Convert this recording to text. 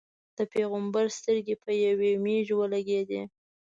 د پېغمبر سترګې په یوې مېږې ولګېدې.